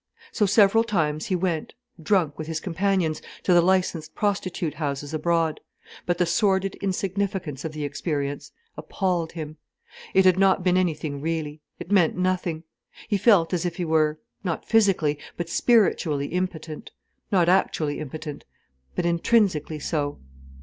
So several times he went, drunk, with his companions, to the licensed prostitute houses abroad. But the sordid insignificance of the experience appalled him. It had not been anything really: it meant nothing. He felt as if he were, not physically, but spiritually impotent: not actually impotent, but intrinsically so.